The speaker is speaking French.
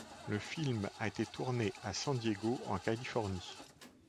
Le film a été tourné à San Diego en Californie.